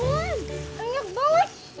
wow enak banget